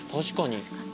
確かに。